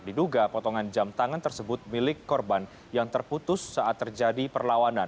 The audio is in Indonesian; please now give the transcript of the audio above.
diduga potongan jam tangan tersebut milik korban yang terputus saat terjadi perlawanan